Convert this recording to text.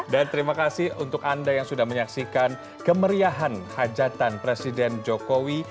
dan terima kasih untuk anda yang sudah menyaksikan kemeriahan hajatan presiden jokowi